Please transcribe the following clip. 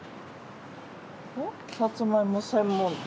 「さつまいも専門店」